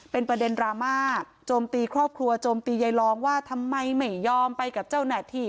เป็นประเด็นดราม่าโจมตีครอบครัวโจมตียายรองว่าทำไมไม่ยอมไปกับเจ้าหน้าที่